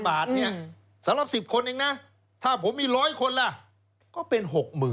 สำหรับ๑๐คนเองนะถ้าผมมี๑๐๐คนละก็เป็น๖๐๐๐๐